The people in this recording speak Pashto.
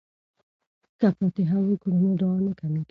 که فاتحه وکړو نو دعا نه کمیږي.